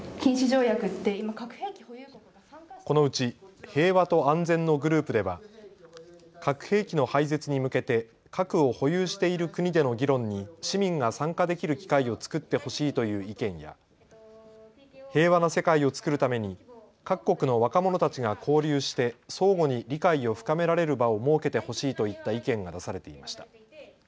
このうち平和と安全のグループでは核兵器の廃絶に向けて核を保有している国での議論に市民が参加できる機会を作ってほしいという意見や平和な世界を作るために各国の若者たちが交流して相互に理解を深められる場を設けてほしいといった意見が出されていました。